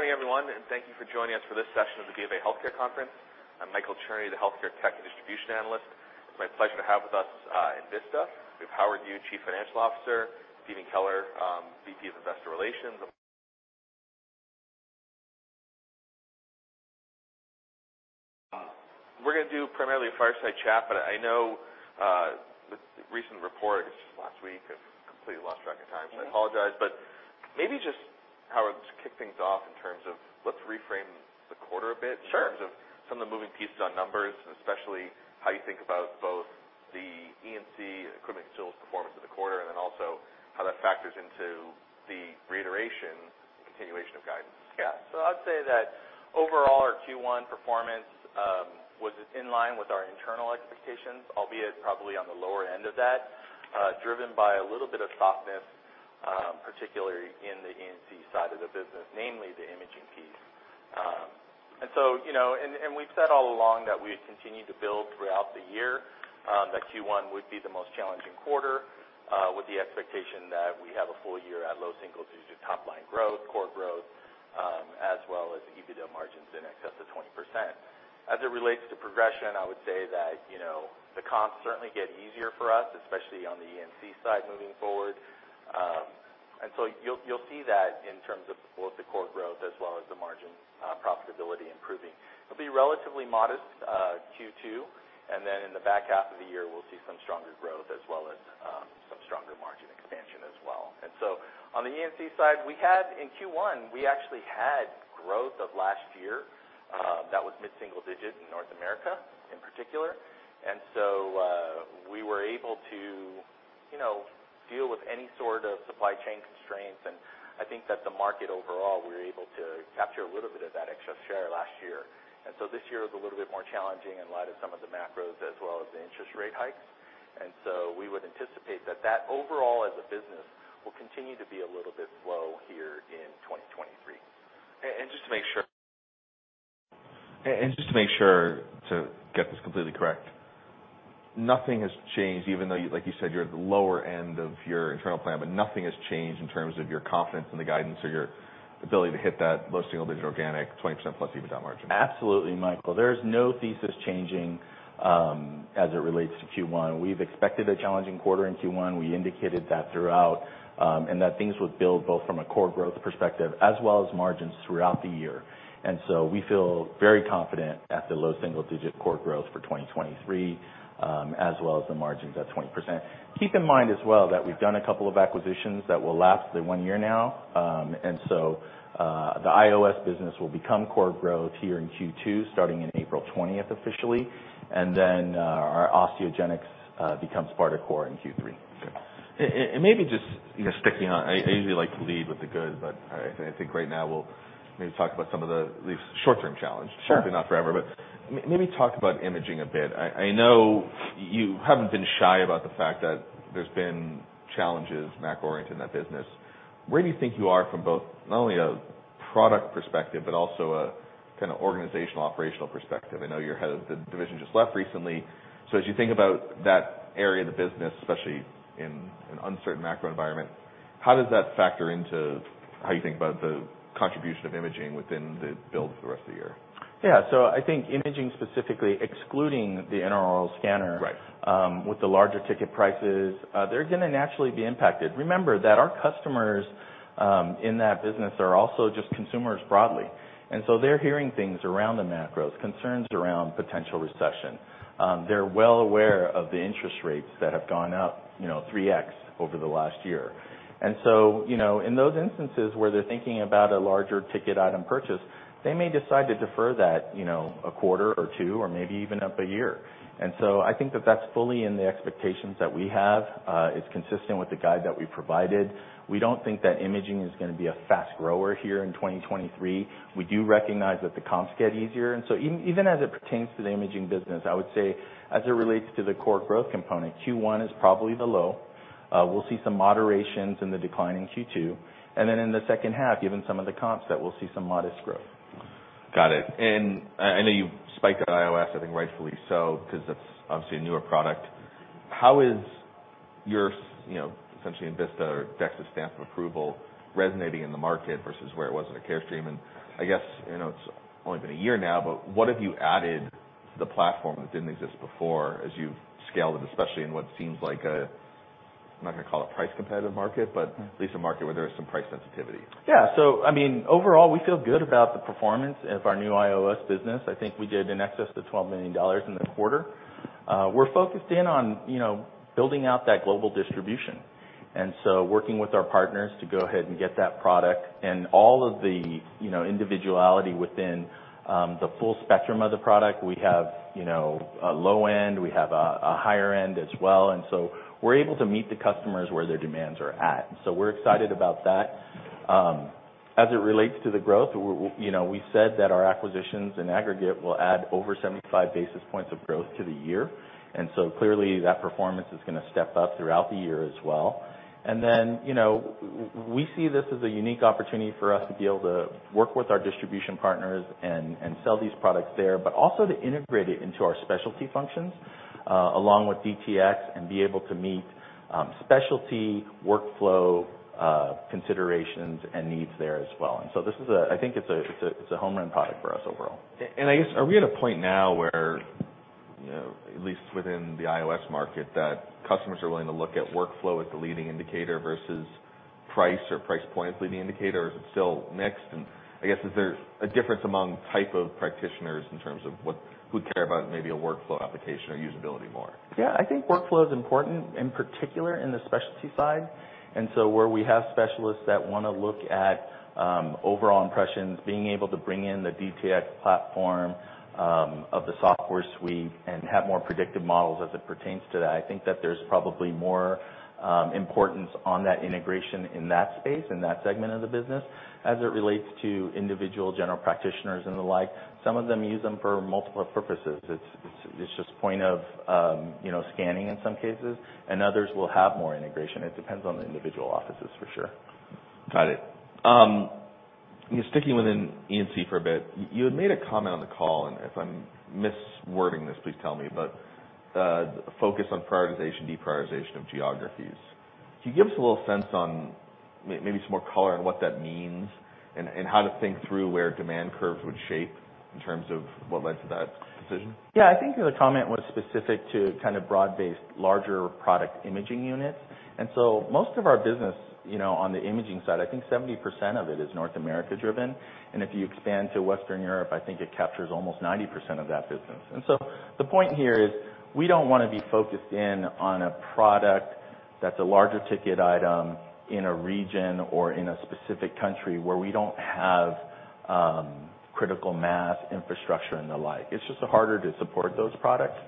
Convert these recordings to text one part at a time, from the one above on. Morning everyone. Thank you for joining us for this session of the BofA Healthcare Conference. I'm Michael Cherny, the Healthcare Tech and Distribution Analyst. It's my pleasure to have with us, Envista. We have Howard Yu, Chief Financial Officer, Stephen Keller, VP of Investor Relations. We're gonna do primarily a fireside chat. I know the recent report, I guess just last week, I've completely lost track of time, so I apologize. Maybe just, Howard, just kick things off in terms of let's reframe the quarter a bit- Sure. In terms of some of the moving pieces on numbers, especially how you think about both the E&C, equipment sales performance of the quarter, and then also how that factors into the reiteration and continuation of guidance. I would say that overall, our Q1 performance was in line with our internal expectations, albeit probably on the lower end of that, driven by a little bit of softness, particularly in the E&C side of the business, namely the imaging piece. You know, and we've said all along that we had continued to build throughout the year, that Q1 would be the most challenging quarter, with the expectation that we have a full year at low singles due to top line growth, core growth, as well as EBITDA margins in excess of 20%. As it relates to progression, I would say that, you know, the comps certainly get easier for us, especially on the E&C side moving forward. You'll, you'll see that in terms of both the core growth as well as the margin profitability improving. It'll be relatively modest Q2, and then in the back half of the year we'll see some stronger growth as well as some stronger margin expansion as well. On the E&C side, in Q1, we actually had growth of last year that was mid-single digit in North America in particular. We were able to, you know, deal with any sort of supply chain constraints, and I think that the market overall, we were able to capture a little bit of that excess share last year. This year is a little bit more challenging in light of some of the macros as well as the interest rate hikes. We would anticipate that that overall as a business will continue to be a little bit slow here in 2023. Just to make sure to get this completely correct, nothing has changed even though you, like you said, you're at the lower end of your internal plan, but nothing has changed in terms of your confidence in the guidance or your ability to hit that low single digit organic 20% plus EBITDA margin? Absolutely, Michael. There's no thesis changing as it relates to Q1. We've expected a challenging quarter in Q1. We indicated that throughout, and that things would build both from a core growth perspective as well as margins throughout the year. We feel very confident at the low single digit core growth for 2023, as well as the margins at 20%. Keep in mind as well that we've done a couple of acquisitions that will last the one year now. The IOS business will become core growth here in Q2, starting in April 20th officially. Our Osteogenics becomes part of core in Q3. Maybe just, you know, sticking on. I usually like to lead with the good, but I think right now we'll maybe talk about some of the short-term challenge. Sure. Hopefully not forever, but maybe talk about imaging a bit. I know you haven't been shy about the fact that there's been challenges macro-oriented in that business. Where do you think you are from both, not only a product perspective, but also a kinda organizational, operational perspective? I know your head of the division just left recently. As you think about that area of the business, especially in an uncertain macro environment, how does that factor into how you think about the contribution of imaging within the build for the rest of the year? Yeah. I think imaging specifically, excluding the intraoral scanner- Right With the larger ticket prices, they're gonna naturally be impacted. Remember that our customers, in that business are also just consumers broadly, they're hearing things around the macros, concerns around potential recession. They're well aware of the interest rates that have gone up, you know, 3x over the last year. In those instances where they're thinking about a larger ticket item purchase, they may decide to defer that, you know, a quarter or two or maybe even up a year. I think that that's fully in the expectations that we have. It's consistent with the guide that we provided. We don't think that imaging is gonna be a fast grower here in 2023. We do recognize that the comps get easier, and so even as it pertains to the imaging business, I would say as it relates to the core growth component, Q1 is probably the low. We'll see some moderations in the decline in Q2, and then in the second half, given some of the comps, that we'll see some modest growth. Got it. I know you've spiked on IOS, I think rightfully so, 'cause that's obviously a newer product. How is your you know, essentially Envista or DEXIS stamp of approval resonating in the market versus where it was at a Carestream? I guess, you know, it's only been a year now, but what have you added to the platform that didn't exist before as you've scaled it, especially in what seems like a, I'm not gonna call it price competitive market, but at least a market where there is some price sensitivity? I mean, overall we feel good about the performance of our new IOS business. I think we did in excess of $12 million in the quarter. We're focused in on, you know, building out that global distribution, working with our partners to go ahead and get that product and all of the, you know, individuality within, the full spectrum of the product. We have, you know, a low end, we have a higher end as well. We're able to meet the customers where their demands are at. We're excited about that. As it relates to the growth, we, you know, we said that our acquisitions in aggregate will add over 75 basis points of growth to the year. Clearly that performance is gonna step up throughout the year as well. You know, we see this as a unique opportunity for us to be able to work with our distribution partners and sell these products there, but also to integrate it into our specialty functions along with DTX and be able to meet specialty workflow considerations and needs there as well. This is I think it's a, it's a, it's a home run product for us overall. I guess, are we at a point now where, you know, at least within the IOS market, that customers are willing to look at workflow as the leading indicator versus price or price point as the leading indicator, or is it still mixed? I guess, is there a difference among type of practitioners in terms of who care about maybe a workflow application or usability more? Yeah. I think workflow is important, in particular in the specialty side. Where we have specialists that wanna look at, overall impressions, being able to bring in the DTX platform of the software suite and have more predictive models as it pertains to that, I think that there's probably more importance on that integration in that space, in that segment of the business. As it relates to individual general practitioners and the like, some of them use them for multiple purposes. It's, it's just point of, you know, scanning in some cases, and others will have more integration. It depends on the individual offices for sure. Got it. Sticking within E&C for a bit, you had made a comment on the call, and if I'm miswording this, please tell me, but focus on prioritization, deprioritization of geographies. Can you give us a little sense on maybe some more color on what that means and how to think through where demand curves would shape in terms of what led to that decision? Yeah. I think the comment was specific to kind of broad-based larger product imaging units. Most of our business, you know, on the imaging side, I think 70% of it is North America driven. If you expand to Western Europe, I think it captures almost 90% of that business. The point here is we don't wanna be focused in on a product that's a larger ticket item in a region or in a specific country where we don't have critical mass infrastructure and the like. It's just harder to support those products.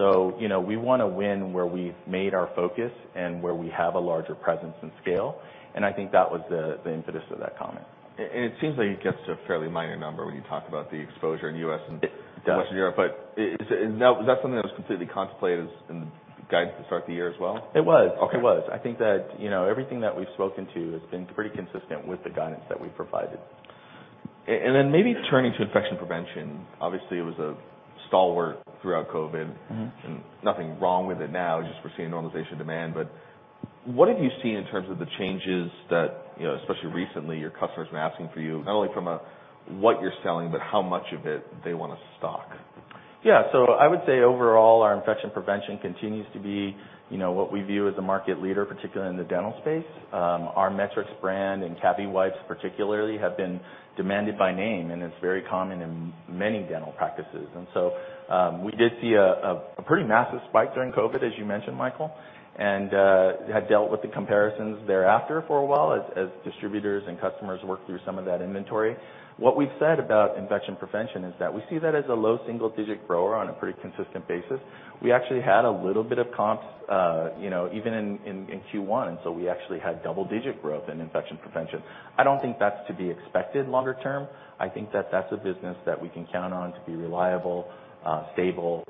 You know, we wanna win where we've made our focus and where we have a larger presence and scale, and I think that was the impetus of that comment. it seems like it gets to a fairly minor number when you talk about the exposure in U.S. It does. Western Europe. Is it something that was completely contemplated as in the guidance at the start of the year as well? It was. Okay. It was. I think that, you know, everything that we've spoken to has been pretty consistent with the guidance that we provided. Then maybe turning to infection prevention, obviously, it was a stalwart throughout COVID. Mm-hmm. Nothing wrong with it now, it's just we're seeing normalization demand. What have you seen in terms of the changes that, you know, especially recently, your customers have been asking for you, not only from a what you're selling, but how much of it they wanna stock? I would say overall, our infection prevention continues to be, you know, what we view as a market leader, particularly in the dental space. Our Metrex brand and CaviWipes particularly have been demanded by name, and it's very common in many dental practices. We did see a pretty massive spike during COVID, as you mentioned, Michael, and had dealt with the comparisons thereafter for a while as distributors and customers worked through some of that inventory. What we've said about infection prevention is that we see that as a low single-digit grower on a pretty consistent basis. We actually had a little bit of comps, you know, even in Q1, we actually had double-digit growth in infection prevention. I don't think that's to be expected longer term. I think that that's a business that we can count on to be reliable, stable.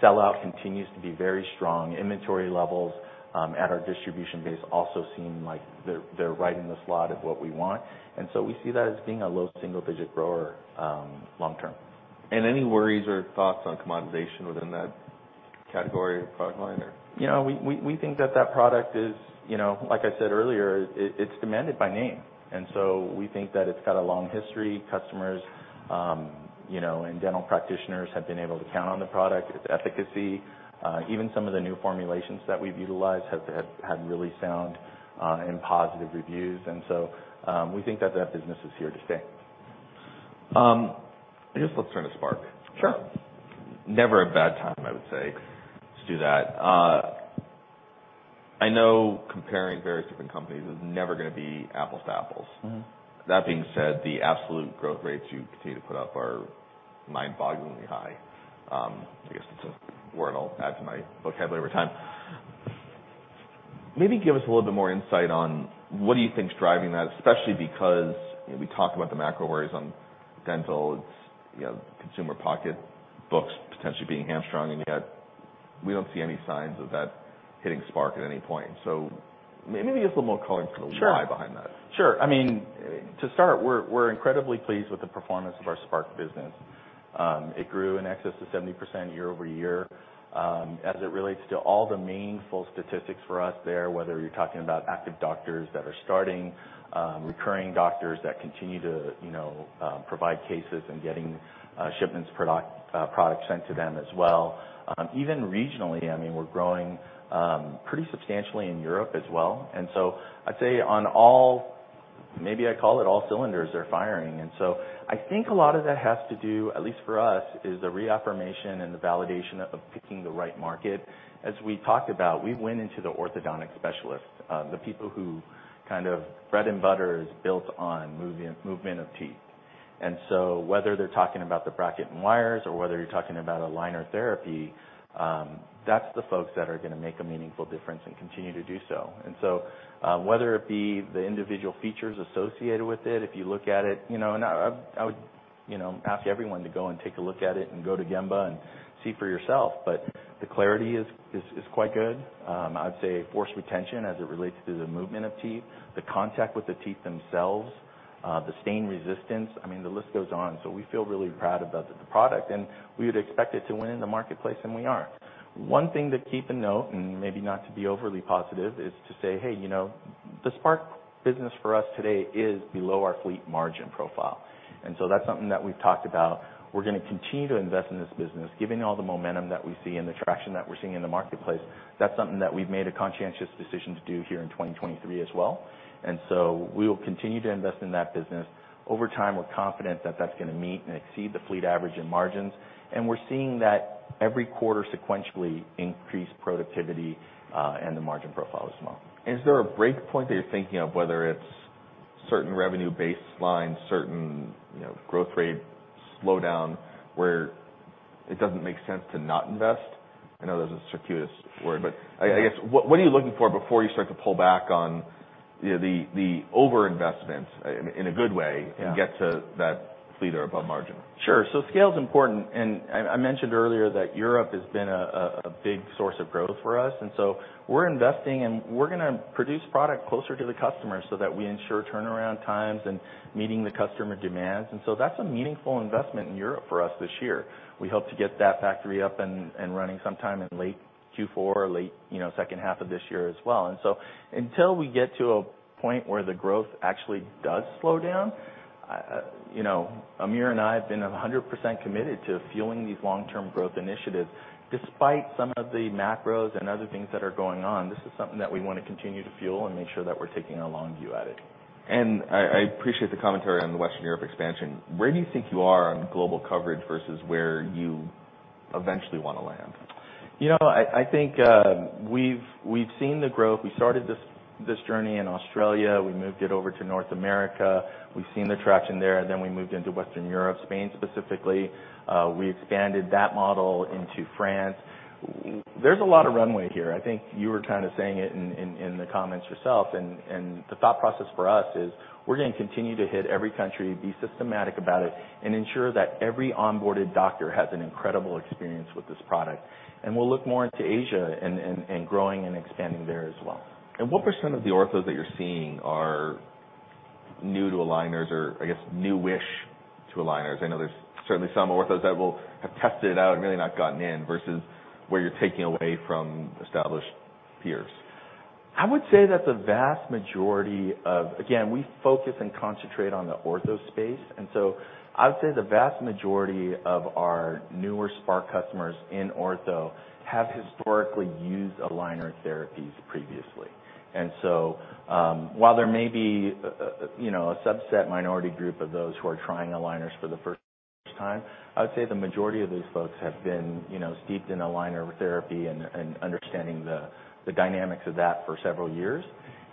Sell-out continues to be very strong. Inventory levels at our distribution base also seem like they're right in the slot of what we want. We see that as being a low single-digit grower long term. Any worries or thoughts on commoditization within that category or product line, or? You know, we think that that product is, you know, like I said earlier, it's demanded by name. We think that it's got a long history. Customers, you know, and dental practitioners have been able to count on the product, its efficacy. Even some of the new formulations that we've utilized have had really sound and positive reviews. We think that that business is here to stay. I guess let's turn to Spark. Sure. Never a bad time, I would say to do that. I know comparing various different companies is never gonna be apples to apples. Mm-hmm. That being said, the absolute growth rates you continue to put up are mind-bogglingly high. I guess it's a word I'll add to my vocabulary over time. Maybe give us a little bit more insight on what do you think is driving that, especially because, you know, we talked about the macro worries on dental, its, you know, consumer pocketbooks potentially being hamstrung, and yet we don't see any signs of that hitting Spark at any point. Maybe give us a little more color into the why behind that. Sure. Sure. I mean, to start, we're incredibly pleased with the performance of our Spark business. It grew in excess of 70% year-over-year. As it relates to all the meaningful statistics for us there, whether you're talking about active doctors that are starting, recurring doctors that continue to, you know, provide cases and getting shipments product, products sent to them as well. Even regionally, I mean, we're growing pretty substantially in Europe as well. I'd say maybe I call it all cylinders are firing. I think a lot of that has to do, at least for us, is the reaffirmation and the validation of picking the right market. As we talked about, we went into the orthodontic specialists, the people who kind of bread and butter is built on movement of teeth. Whether they're talking about the bracket and wire or whether you're talking about aligner therapy, that's the folks that are gonna make a meaningful difference and continue to do so. Whether it be the individual features associated with it, if you look at it, you know. I would, you know, ask everyone to go and take a look at it and go to Gemba and see for yourself. The clarity is quite good. I would say force retention as it relates to the movement of teeth, the contact with the teeth themselves, the stain resistance. I mean, the list goes on. We feel really proud about the product, and we would expect it to win in the marketplace, and we are. One thing to keep a note, and maybe not to be overly positive, is to say, hey, you know, the Spark business for us today is below our fleet margin profile. That's something that we've talked about. We're gonna continue to invest in this business, given all the momentum that we see and the traction that we're seeing in the marketplace. That's something that we've made a conscientious decision to do here in 2023 as well. We will continue to invest in that business. Over time, we're confident that that's gonna meet and exceed the fleet average in margins. We're seeing that every quarter sequentially increase productivity and the margin profile as well. Is there a break point that you're thinking of, whether it's certain revenue baseline, certain, you know, growth rate slowdown, where it doesn't make sense to not invest? I know that's a circuitous word. Yeah. I guess, what are you looking for before you start to pull back on the overinvestment in a good way? Yeah. Get to that fleet or above margin? Sure. Scale's important, and I mentioned earlier that Europe has been a big source of growth for us. We're investing, and we're gonna produce product closer to the customer so that we ensure turnaround times and meeting the customer demands. That's a meaningful investment in Europe for us this year. We hope to get that factory up and running sometime in late Q4 or late, you know, second half of this year as well. Until we get to a point where the growth actually does slow down, you know, Amir and I have been 100% committed to fueling these long-term growth initiatives, despite some of the macros and other things that are going on, this is something that we wanna continue to fuel and make sure that we're taking a long view at it. I appreciate the commentary on the Western Europe expansion. Where do you think you are on global coverage versus where you eventually wanna land? You know, I think we've seen the growth. We started this journey in Australia. We moved it over to North America. We've seen the traction there, and then we moved into Western Europe, Spain specifically. We expanded that model into France. There's a lot of runway here. I think you were kinda saying it in the comments yourself, and the thought process for us is we're gonna continue to hit every country, be systematic about it, and ensure that every onboarded doctor has an incredible experience with this product. We'll look more into Asia and growing and expanding there as well. What % of the orthos that you're seeing are new to aligners or, I guess, new-ish to aligners? I know there's certainly some orthos that will have tested it out and really not gotten in versus where you're taking away from established peers. I would say that the vast majority of... Again, we focus and concentrate on the ortho space. I would say the vast majority of our newer Spark customers in ortho have historically used aligner therapies previously. While there may be, you know, a subset minority group of those who are trying aligners for the first time, I would say the majority of these folks have been, you know, steeped in aligner therapy and understanding the dynamics of that for several years.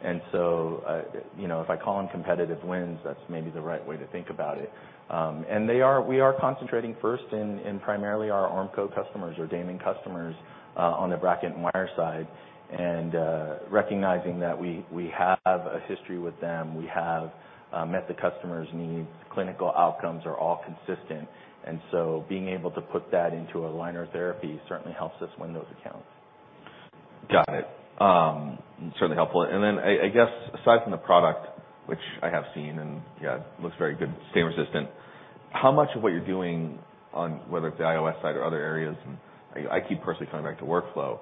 You know, if I call them competitive wins, that's maybe the right way to think about it. We are concentrating first in primarily our Ormco customers or Damon customers, on the bracket and wire side, and recognizing that we have a history with them. We have met the customers' needs. Clinical outcomes are all consistent. Being able to put that into aligner therapy certainly helps us win those accounts. Got it. Certainly helpful. I guess aside from the product, which I have seen, and, yeah, it looks very good, stain resistant. How much of what you're doing on whether it's the IOS side or other areas, and I keep personally coming back to workflow,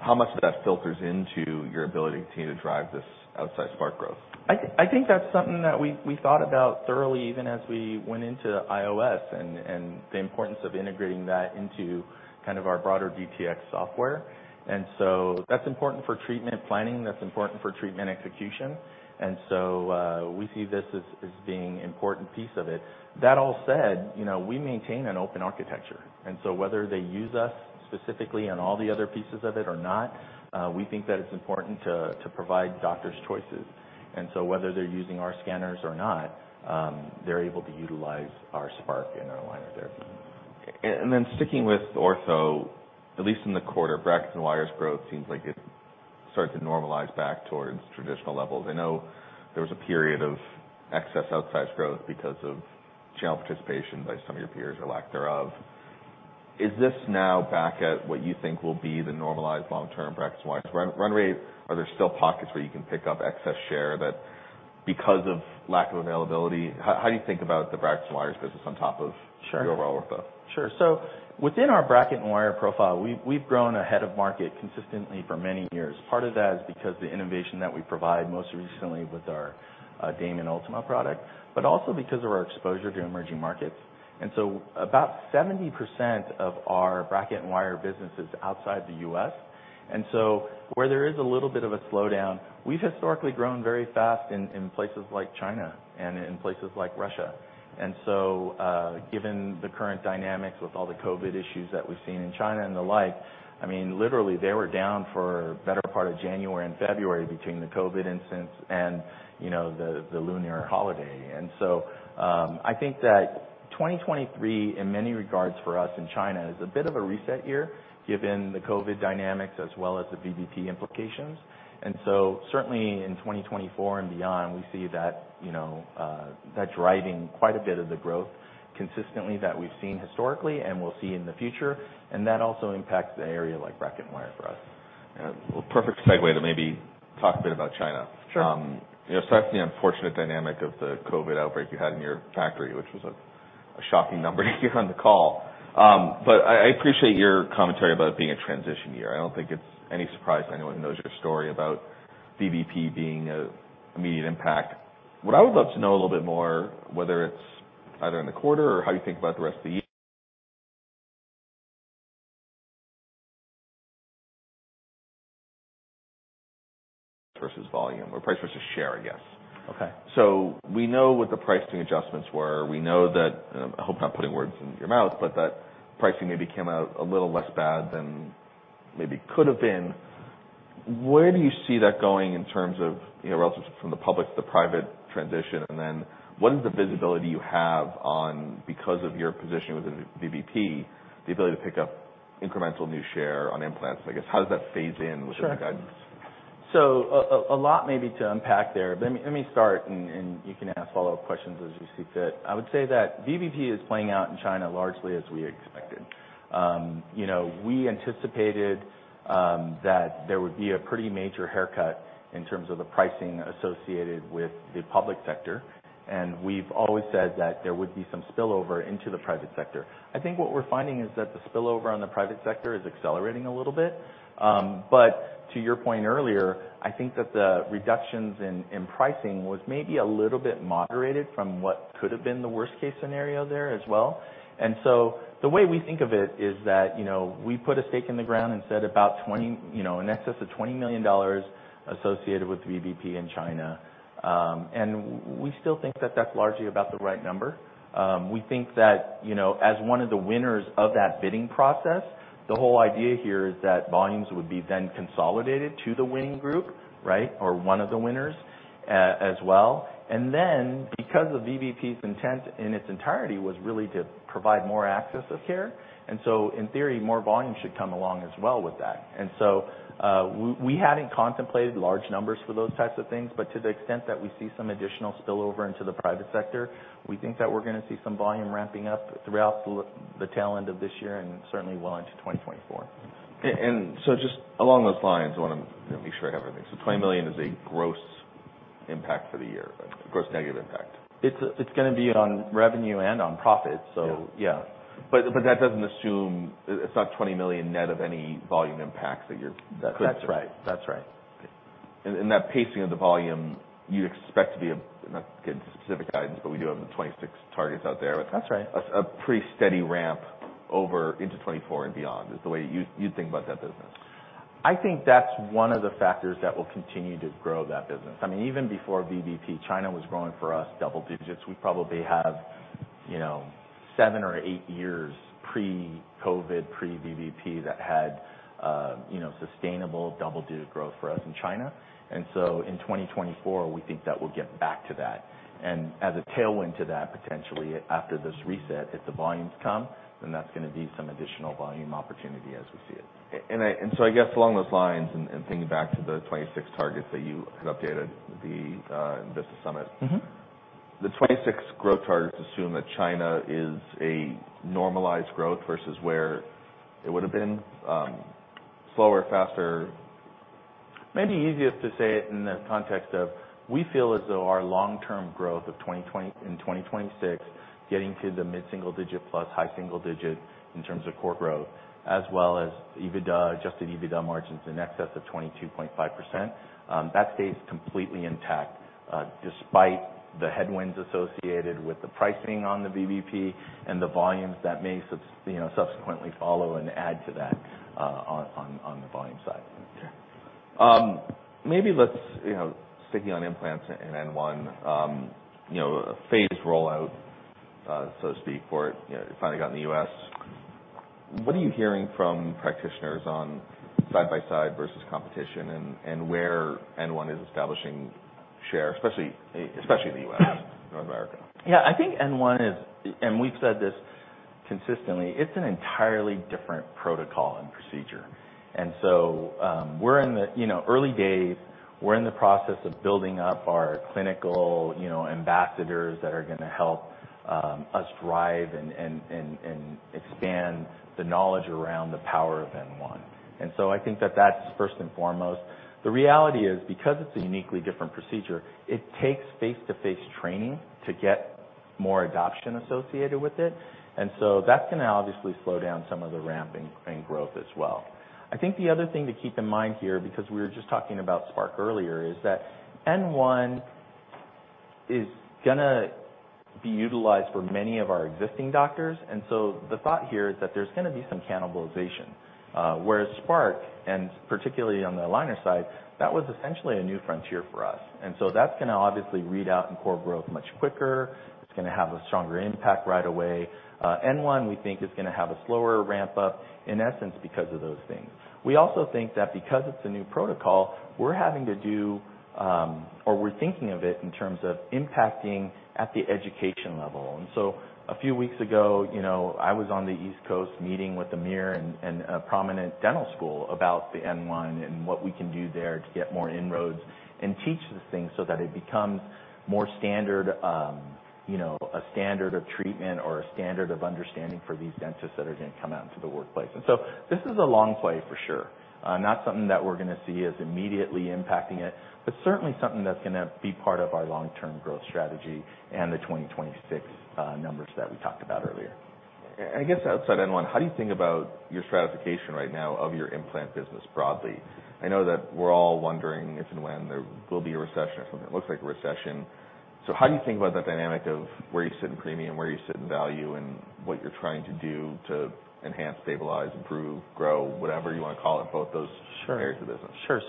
how much of that filters into your ability to continue to drive this outside Spark growth? I think that's something that we thought about thoroughly even as we went into IOS and the importance of integrating that into kind of our broader DTX software. That's important for treatment planning. That's important for treatment execution. We see this as being important piece of it. That all said, you know, we maintain an open architecture, whether they use us specifically on all the other pieces of it or not, we think that it's important to provide doctors choices. Whether they're using our scanners or not, they're able to utilize our Spark and aligner therapy. Sticking with ortho, at least in the quarter, bracket and wires growth seems like it started to normalize back towards traditional levels. I know there was a period of excess outside growth because of channel participation by some of your peers or lack thereof. Is this now back at what you think will be the normalized long-term bracket and wires run rate? Are there still pockets where you can pick up excess share that because of lack of availability? How do you think about the brackets and wires business on top of. Sure. The overall ortho? Sure. Within our bracket and wire profile, we've grown ahead of market consistently for many years. Part of that is because the innovation that we provide most recently with our Damon Ultima product, but also because of our exposure to emerging markets. About 70% of our bracket and wire business is outside the U.S. Where there is a little bit of a slowdown, we've historically grown very fast in places like China and in places like Russia. Given the current dynamics with all the COVID issues that we've seen in China and the like, I mean, literally, they were down for better part of January and February between the COVID instance and, you know, the lunar holiday. I think that 2023, in many regards for us in China, is a bit of a reset year given the COVID dynamics as well as the VBP implications. Certainly in 2024 and beyond, we see that, you know, that driving quite a bit of the growth consistently that we've seen historically and we'll see in the future, and that also impacts an area like bracket and wire for us. Yeah. Well, perfect segue to maybe talk a bit about China. Sure. you know, aside from the unfortunate dynamic of the COVID outbreak you had in your factory, which was a shocking number to give on the call. I appreciate your commentary about it being a transition year. I don't think it's any surprise to anyone who knows your story about VBP being a immediate impact. What I would love to know a little bit more, whether it's either in the quarter or how you think about the rest of the year versus volume or price versus share, I guess? Okay. We know what the pricing adjustments were. We know that, I hope I'm not putting words in your mouth, but that pricing maybe came out a little less bad than maybe could have been. Where do you see that going in terms of, you know, relative from the public to private transition? What is the visibility you have on, because of your position within VBP, the ability to pick up incremental new share on implants? I guess, how does that phase in with- Sure ...the guidance? A lot maybe to unpack there, but let me start and you can ask follow-up questions as you see fit. I would say that VBP is playing out in China largely as we expected. You know, we anticipated that there would be a pretty major haircut in terms of the pricing associated with the public sector. We've always said that there would be some spillover into the private sector. I think what we're finding is that the spillover on the private sector is accelerating a little bit. To your point earlier, I think that the reductions in pricing was maybe a little bit moderated from what could have been the worst-case scenario there as well. The way we think of it is that, you know, we put a stake in the ground and said about 20, you know, in excess of $20 million associated with VBP in China, and we still think that that's largely about the right number. We think that, you know, as one of the winners of that bidding process, the whole idea here is that volumes would be then consolidated to the winning group, right? Or one of the winners as well. Because of VBP's intent in its entirety was really to provide more access of care, and so in theory, more volume should come along as well with that. We hadn't contemplated large numbers for those types of things, but to the extent that we see some additional spillover into the private sector, we think that we're gonna see some volume ramping up throughout the the tail end of this year and certainly well into 2024. Just along those lines, I wanna, you know, make sure I have everything. $20 million is a gross impact for the year, gross negative impact. It's gonna be on revenue and on profit, yeah. That doesn't assume. It's not $20 million net of any volume impacts that you're- That's right. That's right. That pacing of the volume you'd expect to be a, not to get into specific guidance, but we do have the 26 targets out there. That's right. ...a pretty steady ramp over into 2024 and beyond is the way you think about that business. I think that's one of the factors that will continue to grow that business. I mean, even before VBP, China was growing for us double digits. We probably have, you know, seven or eight years pre-COVID, pre-VBP that had, you know, sustainable double-digit growth for us in China. In 2024, we think that we'll get back to that. As a tailwind to that, potentially after this reset, if the volumes come, then that's gonna be some additional volume opportunity as we see it. I guess along those lines and thinking back to the 26 targets that you had updated at the Envista Summit. Mm-hmm. The 2026 growth targets assume that China is a normalized growth versus where it would have been slower, faster. May be easiest to say it in the context of we feel as though our long-term growth in 2026 getting to the mid-single digit plus high single digit in terms of core growth, as well as EBITDA, adjusted EBITDA margins in excess of 22.5%, that stays completely intact, despite the headwinds associated with the pricing on the VBP and the volumes that may subsequently follow and add to that on the volume side. Okay. maybe let's, you know, sticking on implants and N1, you know, a phased rollout, so to speak, for it. You know, it's finally got in the U.S. What are you hearing from practitioners on side by side versus competition and where N1 is establishing share, especially the U.S., North America? Yeah. I think N1 is, and we've said this consistently, it's an entirely different protocol and procedure. We're in the, you know, early days, we're in the process of building up our clinical, you know, ambassadors that are gonna help us drive and expand the knowledge around the power of N1. I think that that's first and foremost. The reality is, because it's a uniquely different procedure, it takes face-to-face training to get more adoption associated with it. That's gonna obviously slow down some of the ramp and growth as well. I think the other thing to keep in mind here, because we were just talking about Spark earlier, is that N1 is gonna be utilized for many of our existing doctors. The thought here is that there's gonna be some cannibalization, whereas Spark, and particularly on the aligner side, that was essentially a new frontier for us. That's gonna obviously read out in core growth much quicker. It's gonna have a stronger impact right away. N1, we think is gonna have a slower ramp-up, in essence because of those things. We also think that because it's a new protocol, we're having to do, or we're thinking of it in terms of impacting at the education level. A few weeks ago, you know, I was on the East Coast meeting with Amir and a prominent dental school about the N1 and what we can do there to get more inroads and teach the thing so that it becomes more standard, you know, a standard of treatment or a standard of understanding for these dentists that are gonna come out into the workplace. This is a long play for sure. Not something that we're gonna see as immediately impacting it, but certainly something that's gonna be part of our long-term growth strategy and the 2026 numbers that we talked about earlier. I guess outside N1, how do you think about your stratification right now of your implant business broadly? I know that we're all wondering if and when there will be a recession or something that looks like a recession. How do you think about that dynamic of where you sit in premium, where you sit in value, and what you're trying to do to enhance, stabilize, improve, grow, whatever you wanna call it. Sure areas of business? Sure.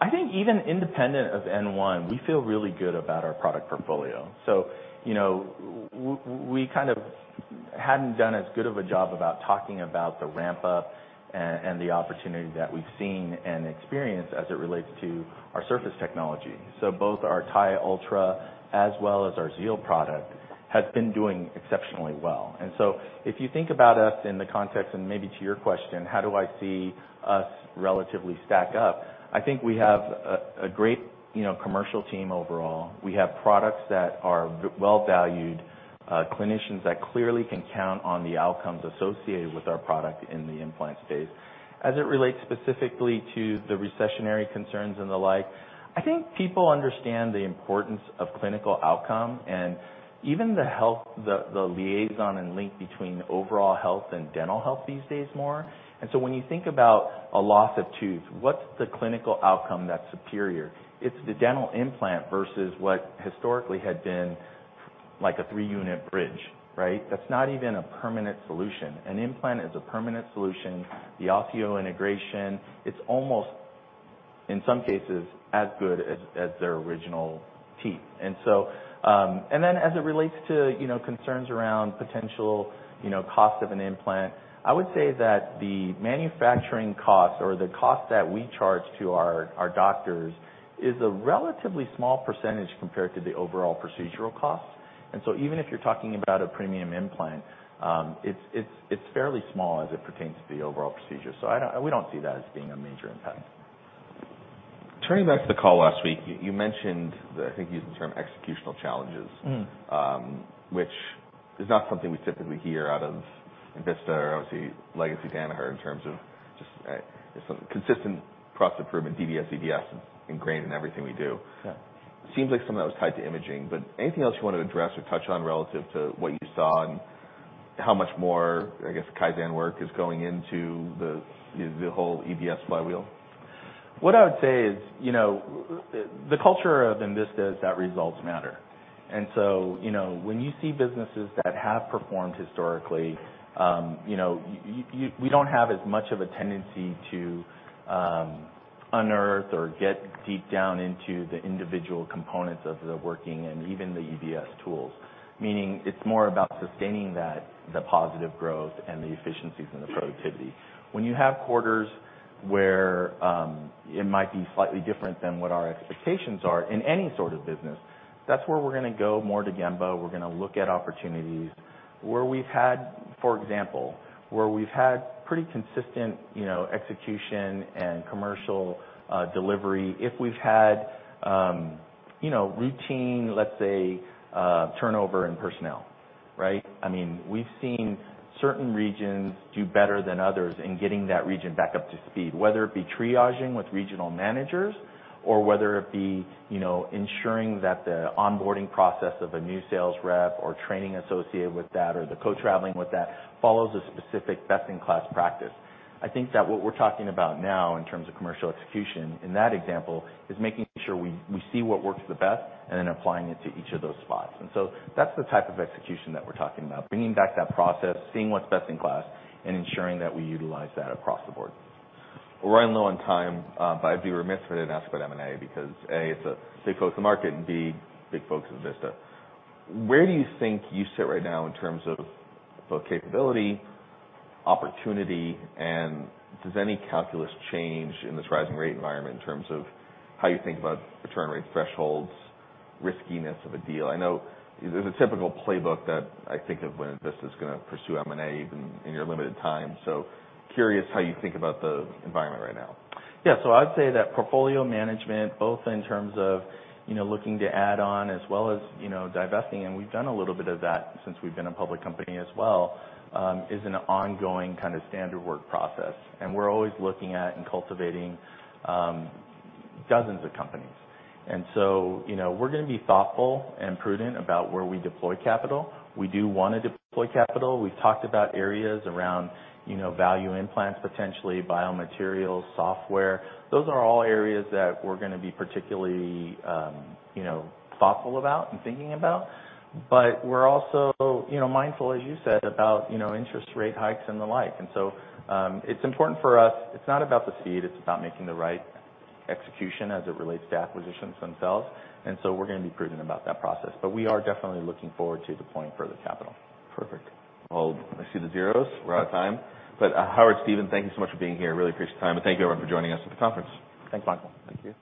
I think even independent of N1, we feel really good about our product portfolio. You know, we kind of hadn't done as good of a job about talking about the ramp up and the opportunity that we've seen and experienced as it relates to our surface technology. Both our TiUltra as well as our Xeal product has been doing exceptionally well. If you think about us in the context, and maybe to your question, how do I see us relatively stack up, I think we have a great, you know, commercial team overall. We have products that are well valued, clinicians that clearly can count on the outcomes associated with our product in the implant space. As it relates specifically to the recessionary concerns and the like, I think people understand the importance of clinical outcome and even the health, the liaison and link between overall health and dental health these days more. When you think about a loss of tooth, what's the clinical outcome that's superior? It's the dental implant versus what historically had been like a three-unit bridge, right? That's not even a permanent solution. An implant is a permanent solution. The osseointegration, it's almost, in some cases, as good as their original teeth. As it relates to, you know, concerns around potential, you know, cost of an implant, I would say that the manufacturing cost or the cost that we charge to our doctors is a relatively small percentage compared to the overall procedural cost. Even if you're talking about a premium implant, it's fairly small as it pertains to the overall procedure. We don't see that as being a major impact. Turning back to the call last week, you mentioned, I think you used the term executional challenges. Mm. which is not something we typically hear out of Envista or obviously legacy Danaher in terms of just consistent process improvement, DBS, EDS ingrained in everything we do. Yeah. Seems like something that was tied to imaging, anything else you wanna address or touch on relative to what you saw and how much more, I guess, Kaizen work is going into the whole EDS flywheel? What I would say is, you know, the culture of Envista is that results matter. You know, when you see businesses that have performed historically, you know, we don't have as much of a tendency to unearth or get deep down into the individual components of the working and even the EDS tools. Meaning it's more about sustaining that, the positive growth and the efficiencies and the productivity. When you have quarters where it might be slightly different than what our expectations are in any sort of business, that's where we're gonna go more to Gemba. We're gonna look at opportunities. Where we've had, for example, where we've had pretty consistent, you know, execution and commercial delivery, if we've had, you know, routine, let's say, turnover in personnel, right? I mean, we've seen certain regions do better than others in getting that region back up to speed, whether it be triaging with regional managers or whether it be, you know, ensuring that the onboarding process of a new sales rep or training associated with that or the co-traveling with that follows a specific best-in-class practice. I think that what we're talking about now in terms of commercial execution in that example is making sure we see what works the best and then applying it to each of those spots. That's the type of execution that we're talking about, bringing back that process, seeing what's best in class, and ensuring that we utilize that across the board. We're running low on time, I'd be remiss if I didn't ask about M&A because A, it's a big focus of the market, and B, big focus of Envista. Where do you think you sit right now in terms of both capability, opportunity, and does any calculus change in this rising rate environment in terms of how you think about return rate thresholds, riskiness of a deal? I know there's a typical playbook that I think of when Envista's gonna pursue M&A even in your limited time. Curious how you think about the environment right now? Yeah. I would say that portfolio management, both in terms of, you know, looking to add on as well as, you know, divesting, and we've done a little bit of that since we've been a public company as well, is an ongoing kind of standard work process, and we're always looking at and cultivating, dozens of companies. You know, we're gonna be thoughtful and prudent about where we deploy capital. We do wanna deploy capital. We've talked about areas around, you know, value implants, potentially biomaterials, software. Those are all areas that we're gonna be particularly, you know, thoughtful about and thinking about. We're also, you know, mindful, as you said, about, you know, interest rate hikes and the like. It's important for us. It's not about the seed, it's about making the right execution as it relates to acquisitions themselves. We're gonna be prudent about that process. We are definitely looking forward to deploying further capital. Perfect. Well, I see the zeros. We're out of time. Howard, Stephen, thank you so much for being here. Really appreciate your time. Thank you everyone for joining us at the conference. Thanks, Michael. Thank you.